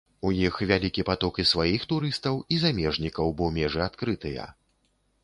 У іх вялікі паток і сваіх турыстаў, і замежнікаў, бо межы адкрытыя.